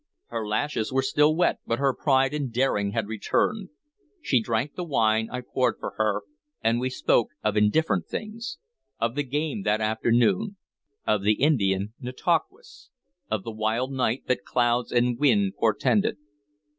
Her lashes were still wet, but her pride and daring had returned. She drank the wine I poured for her, and we spoke of indifferent things, of the game that afternoon, of the Indian Nantauquas, of the wild night that clouds and wind portended.